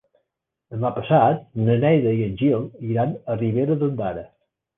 Demà passat na Neida i en Gil iran a Ribera d'Ondara.